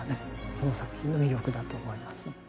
この作品の魅力だと思います。